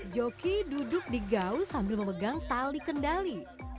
joki duduk di gaus sambil memegang tali kendali